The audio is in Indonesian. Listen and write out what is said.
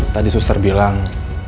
tadi suster bilang